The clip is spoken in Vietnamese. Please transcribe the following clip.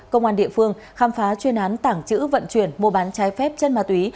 công an địa phương khám phá chuyên án tảng chữ vận chuyển mua bán trái phép chân ma túy